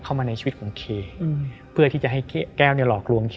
เขาก็เลยจะให้คุณแก้วหรือว่าจริงแก้วเนี่ยก็คือเด็กของเขา